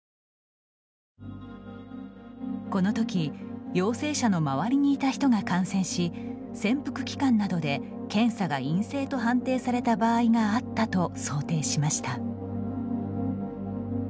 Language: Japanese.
このとき陽性者の周りにいた人が感染し潜伏期間などで、検査が陰性と判定された場合があったと想定しました。